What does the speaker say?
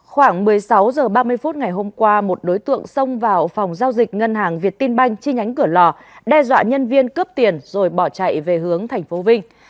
khoảng một mươi sáu h ba mươi phút ngày hôm qua một đối tượng xông vào phòng giao dịch ngân hàng việt tin banh trên nhánh cửa lò đe dọa nhân viên cướp tiền rồi bỏ chạy về hướng tp vinh